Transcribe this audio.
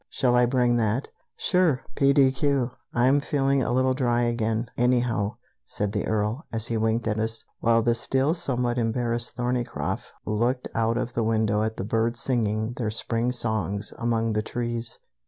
Shall I bring that?" "Sure! P. D. Q.! I'm feeling a little dry again, anyhow," said the Earl, as he winked at us, while the still somewhat embarrassed Thorneycroft looked out of the window at the birds singing their spring songs among the trees.